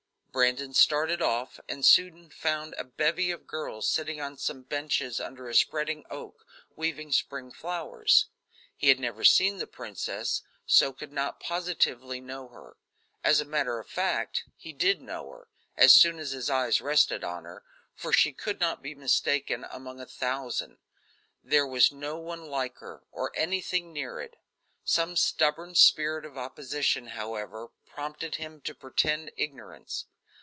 Brandon started off and soon found a bevy of girls sitting on some benches under a spreading oak, weaving spring flowers. He had never seen the princess, so could not positively know her. As a matter of fact, he did know her, as soon as his eyes rested on her, for she could not be mistaken among a thousand there was no one like her or anything near it. Some stubborn spirit of opposition, however, prompted him to pretend ignorance.